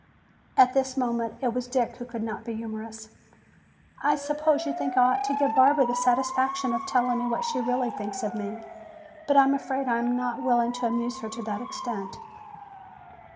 At this moment it was Dick who would not be humorous. "I suppose you think I ought to give Barbara the satisfaction of telling me what she really thinks of me. But I am afraid I am not willing to amuse her to that extent."